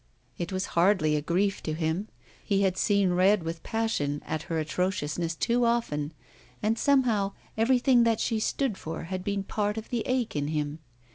It was hardly a grief to him. He had seen red with passion at her atrodousness too often, and, somehow, everything that she stood for had been part of the ache in him.